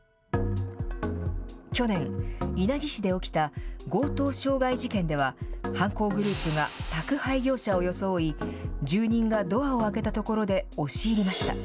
去年、稲城市で起きた強盗傷害事件では、犯行グループが宅配業者を装い、住人がドアを開けたところで押し入りました。